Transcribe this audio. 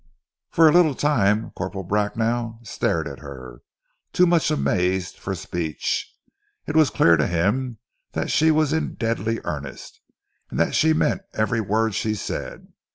For a little time Corporal Bracknell stared at her, too much amazed for speech. It was clear to him that she was in deadly earnest and that she meant every word she said.